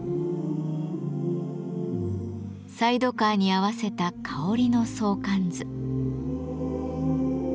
サイドカーに合わせた香りの相関図。